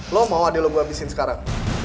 lo mau adil lo gue habisin sekarang